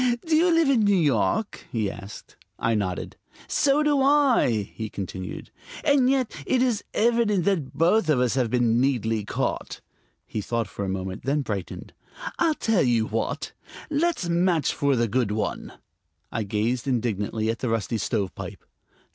"Do you live in New York?" he asked. I nodded. "So do I," he continued; "and yet it is evident that both of us have been neatly caught." He thought for a moment, then brightened. "I'll tell you what; let's match for the good one." I gazed indignantly at the rusty stovepipe.